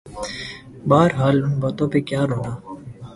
بہرحال ان باتوں پہ کیا رونا۔